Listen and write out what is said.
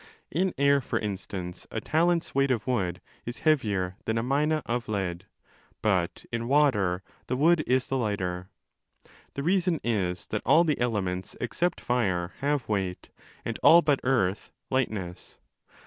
In air, for instance, a talent's weight of wood is heavier than a mina _ of lead, but in water the wood is the lighter. The reason is that all the elements except fire have weight and all but 5 earth lightness.